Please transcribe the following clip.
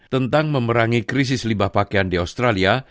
tentang memerangi krisis limbah pakaian di australia